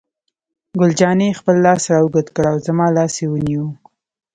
ګل جانې خپل لاس را اوږد کړ او زما لاس یې ونیو.